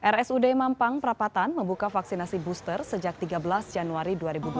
rsud mampang perapatan membuka vaksinasi booster sejak tiga belas januari dua ribu dua puluh